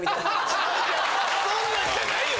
違う違うそんなんじゃないよ。